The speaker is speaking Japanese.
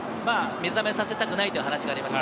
目覚めさせたくないという話がありました。